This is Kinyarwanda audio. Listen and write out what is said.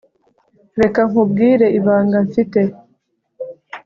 reka nkubwire ibanga mfite